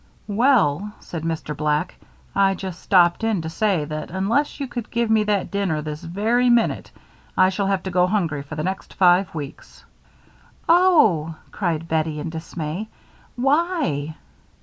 "Well," said Mr. Black, "I just stopped in to say that unless you could give me that dinner this very minute, I shall have to go hungry for the next five weeks." "Oh!" cried Bettie, in dismay, "why?"